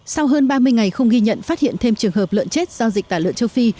sau hơn ba mươi ngày không ghi nhận phát hiện thêm trường hợp lợn chết do dịch tả lợn châu phi